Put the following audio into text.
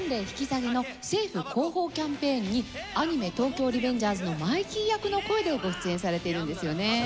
引き下げの政府広報キャンペーンにアニメ『東京リベンジャーズ』のマイキー役の声でご出演されているんですよね。